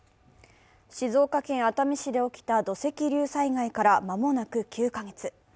静岡県熱海市で起きた土石流災害から間もなく９カ月。